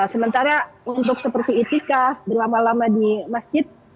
sementara untuk seperti itikaf berlama lama di masjid